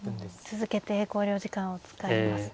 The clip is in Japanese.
続けて考慮時間を使いますね。